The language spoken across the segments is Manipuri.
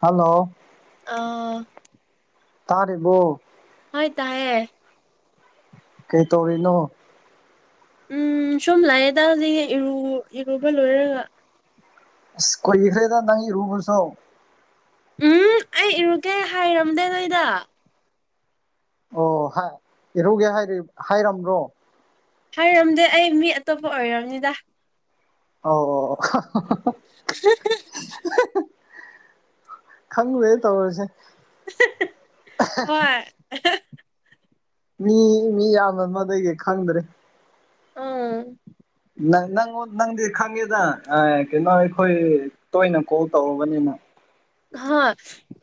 ꯍꯜꯂꯣ꯫ ꯑꯥ꯫ ꯇꯥꯔꯤꯕꯣ꯫ ꯍꯣꯏ ꯇꯥꯏꯌꯦ꯫ ꯀꯩꯇꯧꯔꯤꯅꯣ꯫ ꯎꯝ ꯁꯨꯝ ꯂꯩꯌꯦꯗꯥ ꯏꯔꯨ ꯏꯔꯨꯕ ꯂꯣꯏꯔꯒ꯫ ꯑꯁ ꯀꯨꯏꯈ꯭ꯔꯦꯗ ꯅꯪ ꯏꯔꯨꯕꯁ ꯁ‌ꯣ ꯎꯝ ꯑꯩ ꯏꯔꯨꯀꯦ ꯍꯥꯏꯔꯝꯗꯦ ꯅꯣꯏꯗ ꯑꯣ ꯍꯥꯏ ꯏꯔꯨꯒꯦ ꯍꯥꯏꯔꯤꯕ ꯍꯥꯏꯔꯝꯕ꯭ꯔꯣ ꯍꯥꯏꯔꯝꯗꯦ ꯑꯩ ꯃꯤ ꯑꯇꯣꯞꯄ ꯑꯣꯏꯔꯝꯅꯤꯗ ꯑꯧ ꯑꯧ ꯑ‌ꯣ [unintelligible] ꯈꯪꯗꯦ ꯇꯧꯔꯤꯁꯦ ꯍꯣꯏ ꯃꯤ ꯃꯤ ꯌꯥ ꯃꯟꯕꯗꯒꯤ ꯈꯪꯗ꯭ꯔꯦ ꯑꯥ ꯅꯪ ꯅꯪꯉ‌ꯣꯟ ꯅꯪꯗꯤ ꯈꯪꯉꯤꯗ ꯑꯥ ꯀꯩꯅꯣ ꯑꯩꯈꯣꯏ ꯇꯣꯏꯅ ꯀꯣꯜ ꯇꯧꯔꯕꯅꯤꯅ ꯍꯥ ꯎꯝ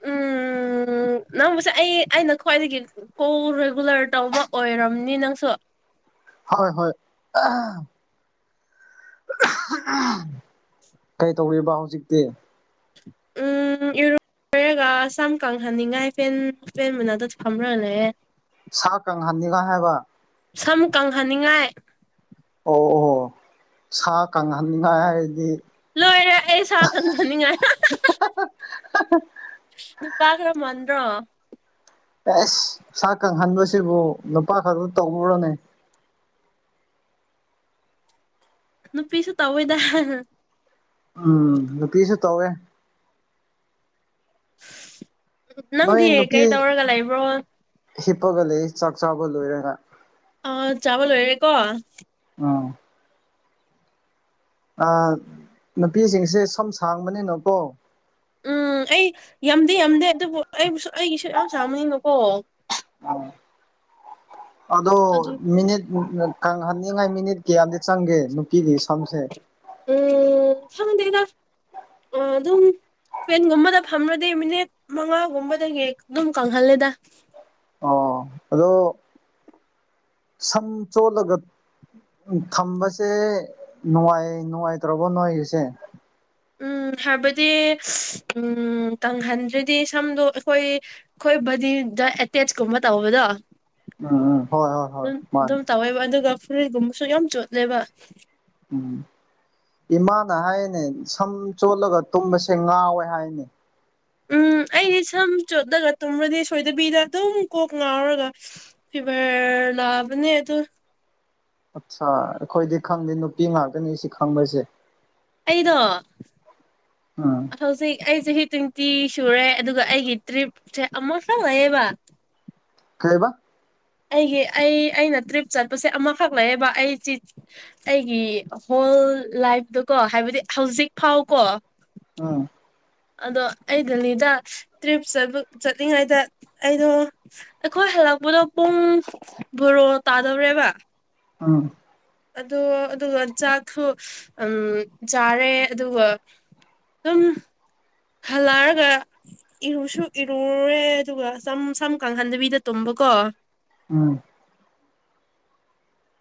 ꯎꯝ ꯅꯪ ꯕꯨꯁꯦ ꯑꯩ ꯑꯩꯅ ꯈ꯭ꯋꯥꯏꯗꯒꯤ ꯀꯣꯜ ꯔꯤꯒꯨꯂꯔ ꯇꯧꯕ ꯑꯣꯏꯔꯝꯅꯤ ꯅꯪꯁꯨ ꯍꯣꯏ ꯍꯣꯏ ꯀꯩ ꯇꯧꯔꯤꯕ ꯍꯧꯖꯤꯛꯇꯤ ꯎꯝ ꯏꯔꯨꯔꯦ ꯔꯒ ꯁꯝ ꯀꯪꯍꯟꯅꯤꯉꯥꯏ ꯐꯦꯟ ꯐꯦꯟ ꯃꯅꯥꯗ ꯐꯝꯔꯥ ꯂꯩꯌ‌ꯦ ꯁꯥ ꯀꯪ ꯍꯟꯅꯤꯒꯥꯏ ꯍꯥꯏꯕ ꯁꯝ ꯀꯪ ꯍꯟ ꯅꯤꯉꯥꯏ ꯑꯣ ꯑꯣ ꯁꯥ ꯀꯪꯍꯟꯅꯤꯉꯥꯏ ꯍꯥꯏꯔꯗꯤ ꯂꯣꯏꯔꯦ ꯑꯩ ꯁꯥ ꯀꯪ ꯐꯅꯤꯡꯉꯥꯏ ꯅꯨꯞꯄꯥ ꯈꯔ ꯃꯟꯗ꯭ꯔꯣ ꯑ‌ꯦ ꯑꯦꯁ ꯁꯥ ꯀꯪꯍꯟꯕꯁꯤꯕꯨ ꯅꯨꯄꯥ ꯈꯛꯇ ꯇꯧꯔꯨꯔꯅꯦ ꯅꯨꯄꯤꯁꯨ ꯇꯧꯋꯤꯗ ꯎꯝ ꯅꯨꯄꯤꯁꯨ ꯇꯧꯋꯦ ꯅꯪꯗꯤ ꯅꯣꯏ ꯅꯨꯄꯤ ꯀꯩ ꯇꯧꯔꯒ ꯂꯩꯕ꯭ꯔꯣ ꯍꯤꯞꯄꯒ ꯂꯩ ꯆꯥꯛ ꯆꯥꯕ ꯂꯣꯏꯔꯒ ꯑꯥ ꯆꯥꯕ ꯂꯣꯏꯔꯦ ꯀꯣ ꯎꯝ ꯑꯥ ꯅꯨꯄꯤ ꯁꯤꯡꯁꯦ ꯁꯝ ꯁꯥꯡꯕꯅꯤꯅ ꯀꯣ ꯎꯝ ꯑꯩ ꯌꯥꯝꯗꯦ ꯌꯥꯝꯗꯦ ꯑꯗꯨꯕꯨ ꯑꯩꯕꯨꯁꯨ ꯑꯩꯒꯤꯁꯨ ꯌꯥꯝ ꯁꯥꯡꯕꯅꯤꯅ ꯀꯣ ꯑꯗꯣ ꯑꯗꯨ ꯃꯤꯅꯤꯠ ꯃꯨꯛ ꯔꯠ ꯀꯪ ꯍꯟꯅꯤꯉꯥꯏ ꯃꯤꯅꯤꯠ ꯀꯌꯥꯗꯤ ꯆꯪꯒꯦ ꯅꯨꯄꯤꯒꯤ ꯁꯝꯁꯦ ꯑ‌ꯦ ꯈꯪꯗꯦꯗ ꯑꯗꯨꯝ ꯐ‌ꯦꯟ ꯒꯨꯝꯕꯗ ꯐꯝꯔꯗꯤ ꯃꯤꯅꯤꯠ ꯃꯉꯥ ꯒꯨꯝꯕꯗꯒꯤ ꯗꯨꯝ ꯀꯪꯍꯜꯂꯦꯗ ꯑꯣ ꯑꯗꯨ ꯁꯝ ꯆꯣꯠꯂꯒꯠ ꯊꯝꯕ ꯁꯦ ꯅꯨꯉꯥꯏ ꯅꯨꯉꯥꯏꯇ꯭ꯔꯕ‌ꯣ ꯅꯣꯏꯒꯤꯁꯦ ꯎꯝ ꯍꯥꯏꯕꯗꯤ ꯎꯝ ꯀꯪ ꯍꯟꯗ꯭ꯔꯗꯤ ꯁꯝꯗꯣ ꯑꯩꯈꯣꯏ ꯈꯣꯏ ꯕꯗꯤꯗ ꯑꯦꯇꯦꯆ ꯀꯨꯝꯕ ꯇꯧꯕꯗꯣ ꯎꯝ ꯎꯝ ꯍꯣꯏ ꯍꯣꯏ ꯍꯣꯏ ꯗꯨꯝ ꯃꯥꯅꯦ ꯑꯗꯨꯝ ꯇꯧꯋꯦꯕ ꯑꯗꯨꯒ ꯐꯨꯔꯤꯠ ꯒꯨꯝꯕꯁꯨ ꯌꯥꯝ ꯆꯣꯠꯂꯦꯕ ꯎꯝ ꯏꯃꯥꯅ ꯍꯥꯏꯅꯦ ꯁꯝ ꯆꯣꯠꯂꯒ ꯇꯨꯝꯕꯁꯦ ꯉꯥꯎꯋꯦ ꯍꯥꯏꯅꯦ ꯎꯝ ꯑꯩꯒꯤ ꯁꯝ ꯆꯣꯠꯂꯒ ꯇꯨꯝꯔꯗꯤ ꯁꯣꯏꯗꯕꯤꯗ ꯑꯗꯨꯝ ꯀꯣꯛ ꯉꯥꯎꯔꯒ ꯐꯤꯚꯔ ꯅꯥꯕꯅꯦ ꯑꯗꯨ ꯑꯠꯁꯥ ꯑꯩꯈꯣꯏꯗꯤ ꯈꯪꯗꯦ ꯅꯨꯄꯤ ꯉꯥꯛꯇꯅꯤ ꯁꯤ ꯈꯪꯕꯖ‌ꯦ ꯑꯩꯗꯣ ꯎꯝ ꯍꯧꯖꯤꯛ ꯑꯩ ꯆꯍꯤ ꯇ꯭ꯋꯦꯟꯇꯤ ꯁꯨꯔꯦ ꯑꯗꯨꯒ ꯑꯩꯒꯤ ꯇ꯭ꯔꯤꯞꯁꯦ ꯑꯃꯈꯥꯛ ꯂꯩꯌꯦꯕ ꯀꯩꯌꯦꯕ ꯑꯩꯒꯤ ꯑꯩ ꯑꯩꯅ ꯇ꯭ꯔꯤꯞ ꯆꯠꯄꯁꯦ ꯑꯃꯈꯛ ꯂꯩꯌꯦꯕ ꯑꯩ ꯆꯤ ꯑꯩꯒꯤ ꯍꯣꯜ ꯂꯥꯏꯐꯇꯀꯣ ꯍꯥꯏꯕꯗꯤ ꯍꯧꯖꯤꯛ ꯐꯥꯎ ꯀꯣ ꯎꯝ ꯑꯗꯣ ꯑꯩ ꯗꯦꯜꯂꯤꯗ ꯇ꯭ꯔꯤꯞ ꯆꯠꯂꯤꯉꯩꯗ ꯑꯩꯩꯗꯣ ꯑꯩꯈꯣꯏ ꯍꯜꯂꯛꯄꯗ ꯄꯨꯡ ꯕꯣꯔꯣ ꯇꯥꯗꯧꯔꯦꯕ ꯎꯝ ꯑꯗꯣ ꯑꯗꯨꯒ ꯆꯥꯛꯁꯨ ꯎꯝ ꯆꯥꯔꯦ ꯑꯗꯨꯒ ꯑꯗꯨꯝ ꯍꯜꯂꯛꯔꯒ ꯏꯔꯨꯁꯨ ꯏꯔꯨꯔꯦ ꯑꯗꯨꯒ ꯁꯝ ꯁꯝ ꯀꯥꯡꯍꯟꯗꯕꯤꯗ ꯇꯨꯝꯕꯀꯣ ꯎꯝ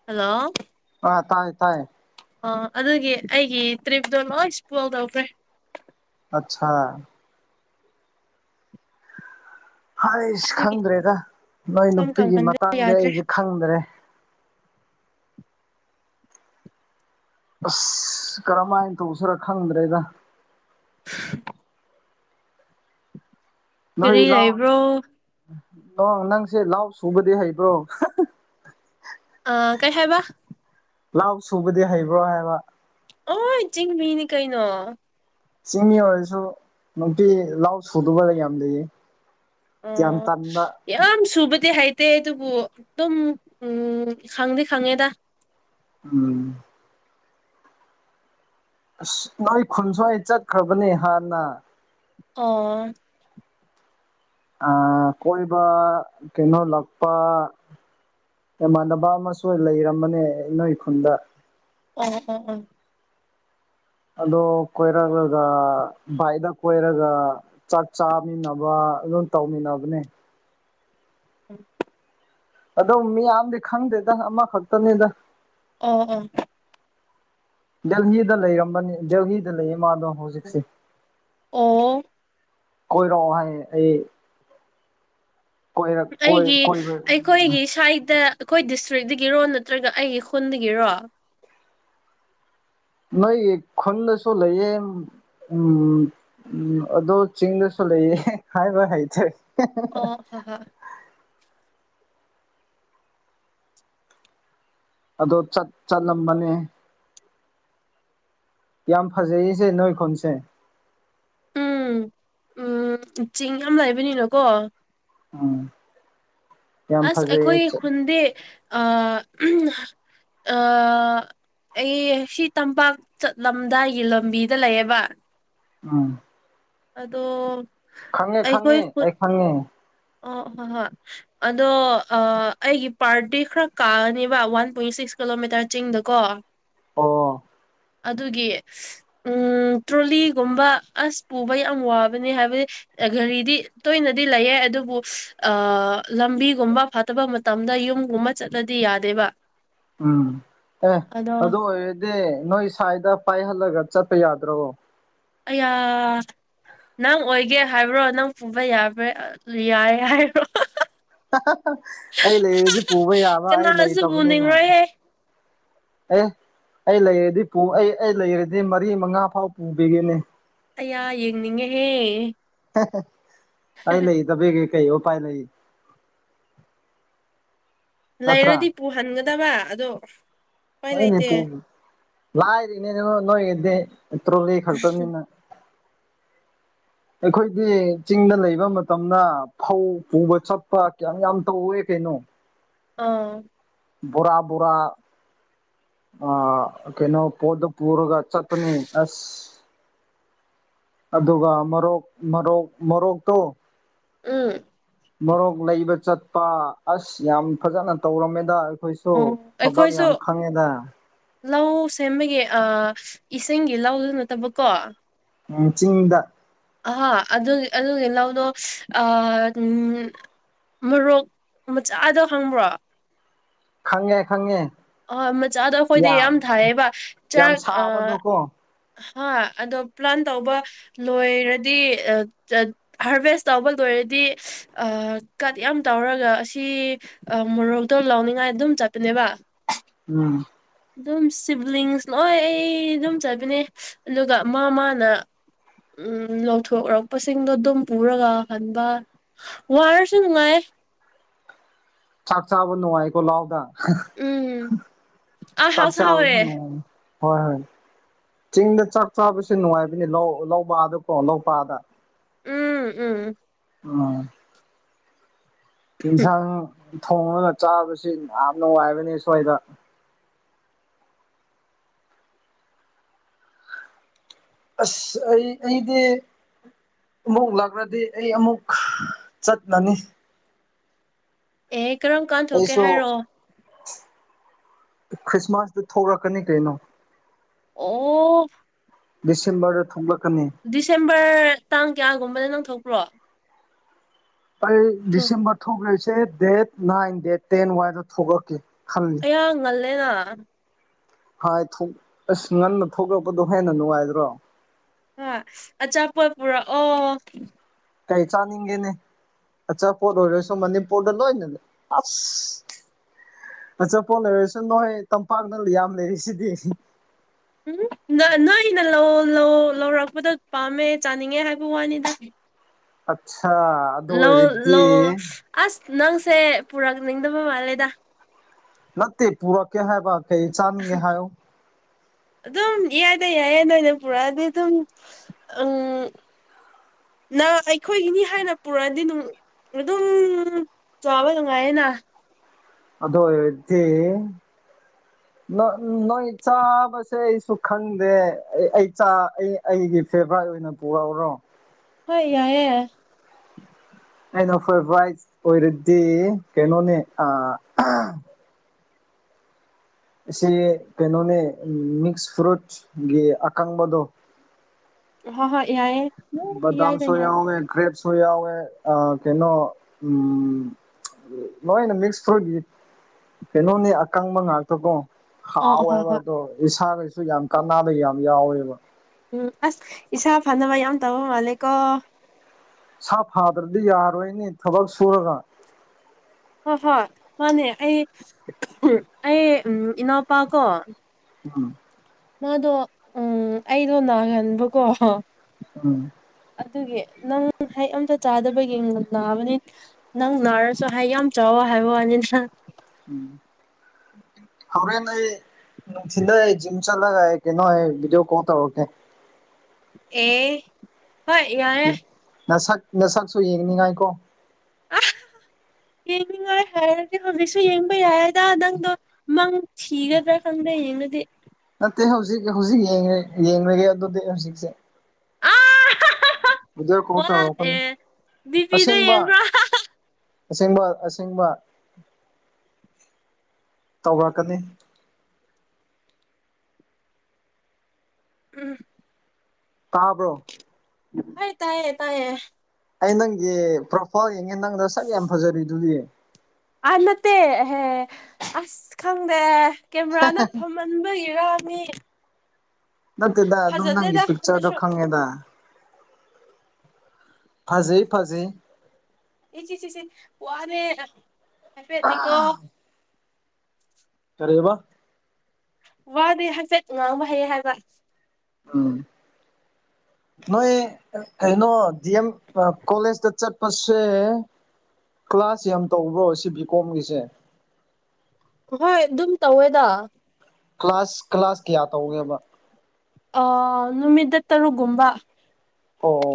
ꯍꯜꯂꯣ ꯑꯥ ꯇꯥꯏ ꯇꯥꯏꯌꯦ ꯑꯣ ꯑꯗꯨꯒꯤ ꯑꯩꯒꯤ ꯇ꯭ꯔꯤꯞꯇꯣ ꯂꯣꯏ [unintelligible] ꯇꯧꯈ꯭ꯔꯦ ꯑꯠꯆꯥꯥ ꯍꯩꯁ ꯑꯗꯨꯒꯤ ꯈꯪꯗ꯭ꯔꯦꯗ ꯅꯣꯏ ꯁꯝ ꯅꯨꯄꯤꯒꯤ ꯀꯪꯍꯟꯗ꯭ꯔꯦ ꯃꯇꯥꯡꯗꯤ ꯌꯥꯗ꯭ꯔꯦ ꯑꯩꯁꯦ ꯈꯪꯗ꯭ꯔꯦ ꯑꯁ ꯀꯔꯝꯍꯥꯏꯅ ꯇꯧꯁꯤꯔꯥ ꯈꯪꯗ꯭ꯔꯦꯗ [inaudible] ꯅꯣꯏ ꯀꯔꯤ ꯂꯩꯕ꯭ꯔꯣ ꯂꯥꯎ ꯅꯪꯁꯦ ꯂꯥꯎ ꯁꯨꯕꯗꯤ ꯍꯩꯕ꯭ꯔꯣ ꯑꯥ ꯀꯩ ꯍꯥꯏꯕ ꯂꯥꯛ ꯁꯨꯕꯗꯤ ꯍꯩꯕ꯭ꯔꯣ ꯍꯥꯏꯕ ꯑꯦ ꯆꯤꯡꯃꯤꯅꯤ ꯀꯩꯅꯣ ꯆꯤꯡꯃꯤ ꯑꯣꯏꯔꯁꯨ ꯅꯨꯄꯤ ꯂꯥꯎ ꯁꯨꯗꯕꯗ ꯌꯥꯝ ꯂꯩꯌꯦ ꯌꯥꯝ ꯑꯣ ꯇꯟꯕ ꯌꯥꯝ ꯁꯨꯕꯗꯤ ꯍꯩꯇꯦ ꯑꯗꯨꯕꯨ ꯑꯗꯨꯝ ꯎꯝ ꯈꯪꯗꯤ ꯈꯪꯉꯦꯗ ꯎꯝ ꯑꯁ ꯅꯣꯏ ꯈꯨꯟꯁꯨ ꯑꯩ ꯆꯠꯈ꯭ꯔꯕꯅꯦ ꯍꯥꯟꯅ ꯑꯣ ꯑ ꯀꯣꯏꯕ ꯀꯩꯅꯣ ꯂꯥꯛꯄ ꯏꯃꯥꯟꯅꯕ ꯑꯃꯁꯨ ꯂꯩꯔꯝꯕꯅꯦ ꯅꯣꯏ ꯈꯨꯟꯗ ꯑꯣ ꯑꯣ ꯑꯣ ꯑꯗꯣ ꯀꯣꯏꯔꯛꯑꯒ ꯕꯥꯢꯗ ꯀꯣꯢꯔꯒ ꯆꯥꯛ ꯆꯥꯃꯤꯟꯅꯕ ꯑꯗꯨꯝ ꯇꯧꯃꯤꯟꯅꯕꯅꯦ ꯎꯝ ꯑꯗꯣ ꯃꯤꯌꯥꯝꯗꯤ ꯈꯪꯗꯦꯗ ꯑꯃꯈꯛꯇꯅꯤꯗ ꯑꯣ ꯑꯣ ꯗꯦꯜꯍꯤꯗ ꯂꯩꯔꯝꯕꯅꯤ ꯗꯦꯜꯍꯤꯗ ꯂꯩꯌꯦ ꯃꯥꯗꯣ ꯍꯧ ꯍꯧꯖꯤꯛꯁꯤ ꯑꯣ ꯀꯣꯏꯔꯛꯑꯣ ꯍꯥꯏꯌꯦ ꯑꯩ ꯀꯣꯏꯔꯛ ꯀꯣꯏ ꯑꯩꯒꯤ ꯀꯣꯏꯕ ꯑꯩꯈꯣꯏꯒꯤ ꯁꯨꯋꯥꯢꯗ ꯑꯩꯈꯣꯏ ꯗꯤꯁꯇ꯭ꯔꯤꯛꯇꯒꯤꯔꯣ ꯅꯠꯇ꯭ꯔꯒ ꯑꯩꯒꯤ ꯈꯨꯟꯗꯒꯤꯔꯣ ꯅꯣꯏꯒꯤ ꯈꯨꯟꯗꯁꯨ ꯂꯩꯌꯦ ꯎꯝ ꯎꯝ ꯑꯗꯣ ꯆꯤꯡꯗꯁꯨ ꯂꯩꯌꯦ ꯍꯥꯏꯕ ꯍꯩꯇꯦ ꯑꯣ ꯍꯣ ꯍꯣꯢ ꯑꯗꯣ ꯆꯠ ꯆꯠꯂꯝꯕꯅꯦ ꯌꯥꯝ ꯐꯖꯩꯁꯦ ꯅꯣꯏ ꯈꯨꯟꯁꯦ ꯎꯝ ꯎꯝ ꯆꯤꯡ ꯌꯥꯝ ꯂꯩꯕꯅꯤꯅꯀꯣ ꯎꯝ ꯌꯥꯝ ꯑꯁ ꯑꯩꯈꯣꯏꯒꯤ ꯐꯖꯩꯌꯦ ꯈꯨꯟꯗꯤ ꯑ [unintelligible] ꯑ ꯑꯩ ꯁꯤ ꯇꯝꯄꯥꯛ ꯆꯠꯂꯝꯗꯥꯏꯒꯤ ꯂꯝꯕꯤꯗ ꯂꯩꯌꯦꯕ ꯎꯝ ꯑꯗꯣ ꯈꯪꯉꯦ ꯑꯩꯈꯣꯏ ꯈꯪꯉꯦ ꯈꯨꯠ ꯑꯩ ꯈꯪꯉꯦ ꯑꯣ ꯍꯣꯏ ꯍꯣꯏ ꯑꯗꯣ ꯑ ꯑꯩꯒꯤ ꯄꯥꯔ ꯗꯦ ꯈꯔ ꯀꯥꯒꯅꯦꯕ ꯋꯥꯟ ꯄꯣꯏꯟ ꯁꯤꯛꯁ ꯀꯤꯂꯣꯃꯤꯇꯔ ꯆꯤꯡꯗꯀꯣ ꯑꯣ ꯑꯗꯨꯒꯤ ꯎꯝ ꯇ꯭ꯔꯣꯂꯤꯒꯨꯝꯕ ꯑꯁ ꯄꯨꯕ ꯌꯥꯝ ꯋꯥꯕꯅꯦ ꯍꯥꯏꯕꯗꯤ ꯒꯥꯔꯤꯗꯤ ꯇꯣꯏꯅꯗꯤ ꯂꯩꯌꯦ ꯑꯗꯨꯕꯨ ꯑ ꯂꯝꯕꯤꯒꯨꯝꯕ ꯐꯠ ꯇꯕ ꯃꯇꯝꯗ ꯌꯨꯝꯒꯨꯝꯕ ꯆꯠꯂꯗꯤ ꯌꯥꯗꯦꯕ ꯎꯝ ꯑꯦ ꯑꯗꯣ ꯑꯗꯨ ꯑꯣꯏꯔꯗꯤ ꯅꯣꯏ ꯁꯥꯏꯗ ꯄꯥꯏꯍꯜꯂꯒ ꯆꯠꯄ ꯌꯥꯗ꯭ꯔꫭ ꯑꯌꯥ ꯅꯪ ꯑꯣꯏꯒꯦ ꯍꯥꯏꯕ꯭ꯔꯣ ꯅꯪ ꯄꯨꯕ ꯌꯥꯕ꯭ꯔ ꯌꯥꯏ ꯍꯥꯏꯕ꯭ꯔꯣ [unintelligible] ꯑꯩ ꯂꯩꯔꯗꯤ ꯄꯨꯕ ꯌꯥꯕ ꯑꯩ ꯀꯅꯥꯁꯨ ꯂꯩꯇꯕꯅꯤꯅ ꯄꯨꯅꯤꯡꯔꯣꯏꯍꯦ ꯑꯦ ꯑꯩ ꯂꯩꯔꯗꯤ ꯄꯨ ꯑꯩ ꯑꯩ ꯂꯩꯔꯗꯤ ꯃꯔꯤ ꯃꯉꯥ ꯐꯥꯎ ꯄꯨꯕꯤꯒꯦꯅꯦ ꯑꯌꯥ ꯌꯦꯡꯅꯤꯡꯉꯦꯍꯦ [unintelligible] ꯑꯩ ꯂꯩꯇꯕꯒꯤ ꯀꯩ ꯎꯄꯥꯏ ꯂꯩ ꯅꯠꯇ꯭ꯔꯥ ꯂꯩꯔꯗꯤ ꯄꯨꯍꯟꯒꯗꯕ ꯑꯗꯣ ꯎꯄꯥꯏ ꯂꯩꯇꯦ [unintelligible] ꯂꯥꯏꯔꯤꯅꯦꯉꯣ ꯅꯣꯏꯒꯤꯗꯤ ꯇ꯭ꯔꯣꯂꯤ ꯈꯛꯇꯪꯅꯤꯅ ꯑꯩꯈꯣꯏꯗꯤ ꯆꯤꯡꯗ ꯂꯩꯕ ꯃꯇꯝꯅ ꯐꯧ ꯄꯨꯕ ꯆꯠꯄ ꯀꯌꯥꯝ ꯌꯥꯝ ꯇꯧꯋꯦ ꯀꯩꯅꯣ ꯑ ꯕꯣꯔꯥ ꯕꯨꯔꯥ ꯑ ꯀꯩꯅꯣ ꯄꯣꯠꯇꯣ ꯄꯨꯔꯒ ꯆꯠꯄꯅꯤ ꯑꯁ ꯑꯗꯨꯒ ꯃꯔꯣꯛ ꯃꯔꯣꯛ ꯃꯣꯔꯣꯛꯇꯣ ꯎꯝ ꯃꯣꯔꯣꯛ ꯂꯩꯕ ꯆꯠꯄ ꯑꯁ ꯌꯥꯝ ꯐꯖꯅ ꯇꯧꯔꯝꯃꯦꯗ ꯑꯩꯈꯣꯏ ꯑꯣ ꯗꫭ ꯊꯕꯛ ꯑꯩꯈꯣꯏꯁꯨ ꯌꯥꯝ ꯈꯪꯉꯤꯗ ꯂꯧ ꯁꯦꯝꯕꯒꯤ ꯑ ꯏꯁꯤꯡꯒꯤ ꯂꯧꯗꯨ ꯅꯠꯇꯕꯀꯣ ꯎꯝ ꯆꯤꯡꯗ ꯑꯍꯥ ꯑꯗꯨ ꯑꯗꯨꯒꯤ ꯂꯧꯗꫭ ꯑ ꯎꯝ ꯃꯣꯔꯣꯛ ꯃꯆꯥꯗꯣ ꯈꯪꯕ꯭ꯔꯣ ꯈꯪꯉꯦ ꯈꯪꯉꯦ ꯍꫭꯏ ꯃꯆꯥꯗꯣ ꯑꯈꯣꯏꯗꯤ ꯌꯥꯝ ꯊꯥꯏꯌꯦꯕ ꯌꯥꯝ ꯆꯥꯛ ꯑ ꯁꯥꯕꯗꯣꯀꯣ ꯍꯥ ꯑꯗꯣ ꯄ꯭ꯂꯥꯟ ꯇꯧꯕ ꯂꯣꯏꯔꯗꯤ [unintelligible] ꯍꯥꯔꯚꯦꯁ ꯇꯧꯕ ꯂꯣꯏꯔꯗꯤ ꯑ ꯀꯠ ꯌꯥꯝ ꯇꯧꯔꯒ ꯑꯁꯤ ꯑ ꯃꯣꯔꯣꯛꯇꫭ ꯂꯧꯅꯤꯡꯉꯥꯏ ꯑꯗꯨꯝ ꯆꯠꯄꯅꯦꯕ ꯎꯝ ꯑꯗꯨꯝ ꯁꯤꯕ꯭ꯂꯤꯡꯁ ꯂꯣꯏ ꯑꯗꯨꯝ ꯆꯠꯄꯅꯦ ꯑꯗꯨꯒ ꯃꯥ ꯃꯥꯅ ꯎꯝ ꯂꫭꯡꯊꯣꯛꯔꯛꯄꯁꯤꯡꯗꯣ ꯑꯗꯨꯝ ꯄꯨꯔꯒ ꯍꯟꯕ ꯋꯥꯔꯁꯨ ꯅꯨꯡꯉꯥꯏ ꯆꯥꯛ ꯆꯥꯕ ꯅꯨꯡꯉꯥꯏꯀꯣ ꯂꯥꯎꯗ ꯎꯝ ꯆꯥꯛ ꯆꯥꯕꯁꯨ ꯅꯨꯡꯉꯥꯏ ꯍꯣꯏ ꯍꯣꯏ ꯆꯤꯡꯗ ꯆꯥꯛ ꯆꯥꯕꯁꯦ ꯅꯨꯡꯉꯥꯏꯕꯅꯤ ꯂꯧꯄꯗꯀꯣ ꯂꯧꯄꯗ ꯎꯝ ꯎꯝ ꯎꯝ ꯑꯦꯟꯁꯥꯡ ꯊꯣꯡꯉꯒ ꯆꯥꯕꯁꯤ ꯌꯥꯝ ꯅꯨꯡꯉꯤꯢꯕꯅꯤ ꯁꯨꯋꯥꯏꯗ ꯑꯁ ꯑꯩ ꯑꯩꯗꯤ ꯑꯃꯨꯛ ꯂꯥꯛꯂꯗꯤ ꯑꯩ ꯑꯃꯨꯛ ꯆꯠꯂꯅꯤ ꯑꯦ ꯀꯔꯝ ꯀꯥꯟ ꯊꯣꯛꯀꯦ ꯑꯩꯁꯨ ꯍꯥꯏꯔꯣ ꯈ꯭ꯔꯤꯁꯃꯥꯁꯇ ꯊꯣꯛꯂꯛꯀꯅꯤ ꯀꯩꯅꯣ ꯑꯣ ꯗꯤꯁꯦꯝꯕꯔꯗ ꯊꯣꯡꯂꯛꯀꯅꯤ ꯗꯤꯁꯦꯝꯕꯔ ꯇꯥꯡ ꯀꯌꯥꯒꯨꯝꯕꯗ ꯅꯪꯊꯣꯛꯄ꯭ꯔꯣ ꯑꯩ ꯗꯤꯁꯦꯝꯕꯔ ꯊꯣꯛꯈ꯭ꯔꯤꯁꯦ ꯗꯦꯠ ꯅꯥꯏꯟ ꯗꯦꯠ ꯇꯦꯟ ꯋꯥꯏꯗ ꯊꯣꯛꯂꯛꯀꯦ ꯈꯜꯂꯤ ꯑꯩꯌꯥ ꯉꯜꯂꯦꯅ ꯍꯥꯏ ꯑꯁ ꯉꯟꯅ ꯊꯣꯛꯂꯛꯄꯗꯣ ꯍꯦꯟꯅ ꯅꯨꯡꯉꯥꯏꯗ꯭ꯔꯣ ꯍꯣꯢ ꯑꯆꯥꯄꯣꯠ ꯄꯨꯔꯛꯑꯣ ꯀꯩ ꯆꯥꯅꯤꯡꯒꯦꯅꯦ ꯑꯆꯥꯄꯣꯠ ꯑꯣꯏꯔꯁꯨ ꯃꯅꯤꯄꯨꯔꯗ ꯂꯣꯏꯅ ꯑꯁ ꯑꯆꯥꯄꯣꯠ ꯂꯩꯔꯁꯨ ꯅꯣꯏ ꯇꯝꯄꯥꯛꯗ ꯌꯥꯝ ꯂꯩꯔꯤꯁꯤꯗꯤ ꯎꯝ ꯅꯣꯏ ꯅꯣꯢꯅ ꯂꯧ ꯂꯧꯔꯛꯄꯗꯣ ꯄꯥꯝꯃꯦ ꯆꯥꯅꯤꯡꯉꯦ ꯍꯥꯏꯕ ꯋꯥꯅꯤꯗ ꯑꯆꯥ ꯂꯧ ꯂꯧ ꯂꯧ ꯑꯁ ꯅꯪꯁꯦ ꯄꯨꯔꯛꯅꯤꯡꯗꯕ ꯃꯥꯜꯂꯦꯗ ꯅꯠꯇꯦ ꯄꯨꯔꯛꯀꯦ ꯍꯥꯏꯕ ꯀꯩ ꯆꯥꯅꯤꯡꯒꯦ ꯍꯥꯏꯌꯣ ꯑꯗꯨꯝ ꯏꯌꯥꯗ ꯌꯥꯏꯌꯦ ꯅꯣꯏꯅ ꯄꯨꯔꯛꯑꯗꯤ ꯑꯗꯨꯝ ꯎꯝ ꯅꯪ ꯑꯩꯈꯣꯏꯒꯤꯅꯤ ꯍꯥꯏꯅ ꯄꯨꯔꯛꯑꯗꯤ ꯑꯗꯨꯝ ꯑꯗꯨꯝ ꯆꯥꯕ ꯅꯨꯡꯉꯥꯏꯌꯦꯅ ꯑꯗꯨ ꯑꯣꯢꯔꯗꯤ [inaudible] ꯅꯣꯢ ꯅꯣꯏ ꯆꯥꯕꯁꯦ ꯑꯩꯁꯨ ꯈꯪꯗꯦ ꯑꯩ ꯑꯩ ꯆꯥ ꯑꯩꯒꯤ ꯐꯦꯚꯔꯥꯏꯠ ꯑꯣꯏꯅ ꯄꯨꯔꯛꯎꯔꯣ ꯍꯣꯏ ꯌꯥꯏꯑꯦ ꯑꯩꯅ ꯁꯔꯚ꯭ꯔꯥꯏꯁ ꯑꯣꯏꯔꯗꯤ ꯀꯩꯅꯣꯅꯦ ꯑꯥ ꯁꯤ ꯀꯩꯅꯣꯅꯦ ꯃꯤꯛꯁ ꯐ꯭ꯔꯨꯠ ꯒꯤ ꯑꯀꯪꯕꯗꯣ ꯍꯣꯢ ꯍꯣꯢ ꯌꯥꯢꯌꯦ ꯕꯗꯥꯝꯁꯨ ꯌꯥꯎꯋꯦ ꯀ꯭ꯔꯦꯞ ꯁꯨ ꯌꯥꯎꯌꯦ ꯑꯥ ꯀꯩꯅꯣ ꯎꯝ ꯂꯣꯏꯅ ꯃꯤꯛꯁ ꯐ꯭ꯔꯨꯠꯒꯤ ꯀꯩꯅꯣꯅꯤ ꯑꯀꯪꯕ ꯉꯥꯛꯇꯀꯣ ꯑꯣ ꯍꯣꯏ ꯍꯥꯎꯋꯦꯕ ꯍꯣꯏ ꯑꯗꯣ ꯏꯁꯥꯗꯁꯨ ꯌꯥꯝ ꯀꯅꯥꯗ ꯌꯥꯝ ꯌꯥꯎꯋꯦꯕ ꯎꯝ ꯑꯁ ꯏꯁꯥ ꯐꯅꯕ ꯌꯥꯝ ꯇꯧꯕ ꯃꯥꯜꯂꯤꯒꯣ ꯁꯥ ꯐꯥꯗ꯭ꯔꯗꯤ ꯌꯥꯔꯣꯏꯅꯦ ꯊꯕꯛ ꯁꯨꯔꯒ ꯍꯣꯏ ꯍꯣꯏ ꯃꯥꯅꯦ ꯑꯩ ꯑꯩ ꯎꯝ ꯏꯅꯥꯎꯄꯥ ꯀꯣ ꯎꯝ ꯃꯥꯗꯣ ꯎꯝ ꯑꯩꯗꯣ ꯅꯥꯍꯟꯕꯀꯣ ꯎꯝ ꯑꯗꯨꯒꯤ ꯅꯪ ꯍꯩ ꯑꯝꯇ ꯆꯥꯗꯕꯒꯤ ꯅꯥꯕꯅꯤ ꯅꯪ ꯅꯥꯔꯁꯨ ꯍꯩ ꯌꯥꯝ ꯆꯥꯎꯋꯣ ꯍꯥꯏꯕ ꯋꯥꯅꯤꯗ [unintelligible] ꯍꯧꯔꯦꯟ ꯑꯩ ꯅꯨꯡꯊꯤꯟꯗ ꯖꯤꯝ ꯆꯠꯂꯒ ꯑꯩ ꯀꯩꯅꯣ ꯚꯤꯗꯤꯑꯣ ꯀꯣꯜ ꯇꯧꯔꯛꯀꯦ ꯑꯦ ꯍꯣꯏ ꯌꯥꯏꯌꯦ ꯅꯁꯛ ꯅꯁꯛꯁꯨ ꯌꯦꯡꯅꯤꯉꯥꯏꯀꯣ [unintelligible] ꯌꯦꯡꯅꯤꯡꯉꯥꯏ ꯍꯥꯏꯔꯗꯤ ꯍꯧꯖꯤꯛꯁꯨ ꯌꯦꯡꯕ ꯌꯥꯏꯗ ꯅꯪꯗꯣ ꯃꯪ ꯊꯤꯔꯗ꯭ꯔ ꯈꯪꯗꯦ ꯌꯦꯡꯔꯗꯤ ꯅꯠꯇꯦ ꯍꯧꯖꯤꯛ ꯍꯧꯖꯤꯛ ꯌꯦꯡ ꯌꯦꯡꯔꯒꯦ ꯑꯗꯨꯗꯤ ꯍꯧꯖꯤꯛꯁꯦ ꯚꯤꯗꯤꯑꯣ ꯀꯣꯜ ꯇꯧꯔꯛꯀꯅꯤ [unintelligible] ꯗꯤ ꯄꯤ ꯗ ꯑꯁꯦꯡꯕ ꯌꯦꯡꯕ꯭ꯔ [unintelligible] ꯑꯁꯦꯡꯕ ꯑꯁꯦꯡꯕ ꯇꯧꯔꯛꯀꯅꯤ [unintelligible] ꯇꯥꯕ꯭ꯔꯣ ꯍꯥꯏ ꯇꯥꯏꯌꯦ ꯇꯥꯏꯌꯦ ꯑꯩ ꯅꯪꯒꯤ ꯄ꯭ꯔꯣꯐꯥꯏꯜ ꯌꯦꯡꯉꯦ ꯅꯪ ꯅꯁꯛ ꯌꯥꯝ ꯐꯖꯔꯤꯗꯨꯗꯤ ꯑꯥ ꯅꯠꯇꯦ ꯑꯦꯍꯦ ꯑꯁ ꯈꯪꯗꯦ ꯀꯦꯝꯔꯥꯅ ꯐꯝꯃ [unintelligible] ꯃꯤ ꯅꯠꯇꯦꯗ ꯑꯗꯨꯝ ꯅꯪꯒꯤ ꯐꯖꯗꯦꯗ ꯄꯤꯛꯆꯔꯗꯣ ꯑꯗꯨꯁꯨ ꯈꯪꯉꯦꯗ ꯐꯖꯩ ꯐꯖꯩ [unintelligible] ꯋꯥꯔꯦ ꯍꯥꯏꯐꯦꯠꯅꯤꯀꯣ ꯀꯔꯤꯕ ꯋꯥꯗꯤ ꯍꯥꯏꯐꯦꯠ ꯉꯥꯡꯕ ꯍꯩ ꯍꯥꯏꯕ ꯎꯝ ꯅꯣꯏ ꯀꯩꯅꯣ ꯗꯤ ꯑꯦꯝ ꯀꯣꯂꯦꯖꯇ ꯆꯠꯄꯁꯦ ꯀ꯭ꯂꯥꯁ ꯌꯥꯝ ꯇꯧꯕ꯭ꯔꯣ ꯁꯤ ꯕꯤꯀꯣꯝꯒꯤꯁꯦ ꯍꯣꯏ ꯑꯗꯨꯝ ꯇꯧꯋꯤꯗ ꯀ꯭ꯂꯥꯁ ꯀ꯭ꯂꯥꯁ ꯀꯌꯥ ꯇꯧꯒꯦꯕ ꯑꯥ ꯅꯨꯃꯤꯠꯇ ꯇꯔꯨꯛꯀꯨꯝꯕ ꯑꯣ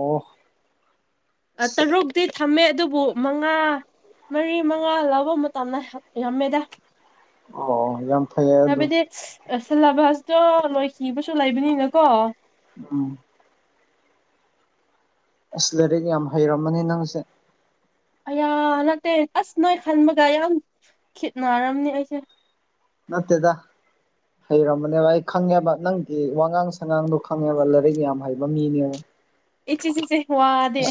ꯇꯔꯨꯛꯇꯤ ꯊꯝꯃꯦ ꯑꯗꯨꯕꯨ ꯃꯉꯥ ꯃꯔꯤ ꯃꯉꯥ ꯂꯧꯕ ꯃꯇꯝꯗ ꯌꯥꯝꯃꯦꯗ ꯑꯣ ꯌꯥꯝ ꯐꯩꯌꯦ ꯑꯗꯨ ꯍꯥꯏꯕꯗꯤ ꯁꯤꯂꯦꯕꯁꯇꯣ ꯂꫭꯏꯈꯤꯕꯁꯨ ꯂꯩꯕꯅꯤꯅꯀꯣ ꯎꯝ ꯑꯁ ꯂꯥꯏꯔꯤꯛ ꯌꯥꯝ ꯍꯩꯔꯝꯃꯅꯤ ꯅꯪꯁꯦ ꯑꯌꯥ ꯅꯠꯇꯦ ꯑꯁ ꯅꯣꯏ ꯈꯟꯕꯒ ꯌꯥꯝ ꯈꯦꯠꯅꯔꯝꯅꯤ ꯑꯩꯁꯦ ꯅꯠꯇꯦꯗ ꯍꯩꯔꯝꯕꯅꯦꯕ ꯑꯩ ꯈꯪꯉꯦꯕ ꯅꯪꯒꯤ ꯋꯉꯥꯡ ꯁꯉꯥꯡꯗꯣ ꯈꯪꯉꯦꯕ ꯂꯥꯏꯔꯤꯛ ꯌꯥꯝ ꯍꯩꯕ ꯃꯤꯅꯦꯕ [unintelligible] ꯋꯥꯗꯤ